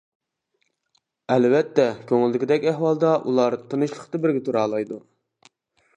ئەلۋەتتە كۆڭۈلدىكىدەك ئەھۋالدا ئۇلار تىنچلىقتا بىرگە تۇرالايدۇ.